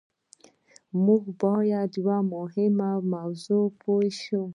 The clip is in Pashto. موږ بايد په يوه مهمه موضوع پوه شو.